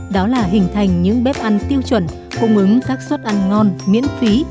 đó là hình thành những bếp ăn tiêu chuẩn cung ứng các suất ăn ngon miễn phí